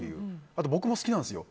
あと、僕も好きなんですよ